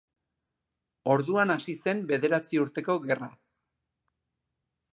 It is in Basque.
Orduan hasi zen Bederatzi Urteko Gerra.